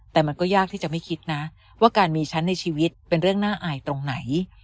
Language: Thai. แต่มันก็ยากที่จะไม่คิดนะว่าการมีฉันในชีวิตเป็นเรื่องน่าอายตรงไหน